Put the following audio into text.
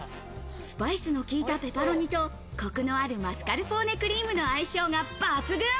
スパイスの効いたペパロニと、コクのあるマスカルポーネクリームの相性が抜群。